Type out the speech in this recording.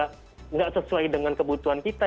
tidak sesuai dengan kebutuhan kita